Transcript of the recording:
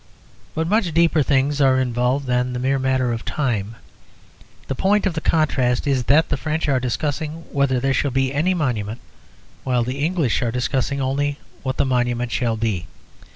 But much deeper things are involved than the mere matter of time. The point of the contrast is that the French are discussing whether there shall be any monument, while the English are discussing only what the monument shall be.